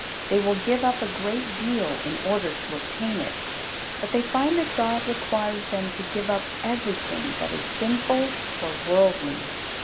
They will give up a great deal in order to obtain it, but they find that God requires them to give up everything that is sinful or worldly.